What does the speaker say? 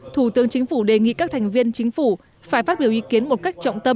thủ tướng chính phủ đề nghị các thành viên chính phủ phải phát biểu ý kiến một cách trọng tâm